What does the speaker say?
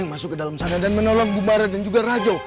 yang masuk ke dalam sana dan menolong gumar dan juga rajau